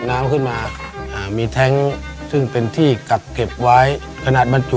ในแคมเปญพิเศษเกมต่อชีวิตโรงเรียนของหนู